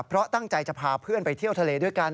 เพราะตั้งใจจะพาเพื่อนไปเที่ยวทะเลด้วยกัน